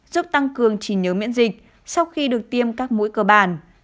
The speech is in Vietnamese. giúp tăng cường trí nhớ miễn dịch sau khi được tiêm các mũi cơ bản